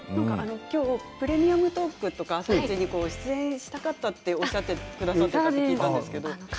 今日は「プレミアムトーク」とか「あさイチ」に出演したかったとおっしゃってくださっているんですよね。